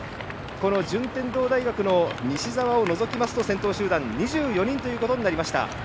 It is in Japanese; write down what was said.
順天堂大学の西澤を除きますと先頭集団２４人ということになりました。